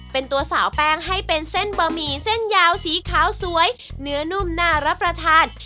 เป็นตัวสาวแป้งให้เป็นเส้นบะหมี่เส้นยาวสีขาวสวยเนื้อนุ่มน่ารับประทาน